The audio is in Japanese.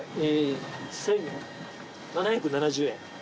１，７７０円。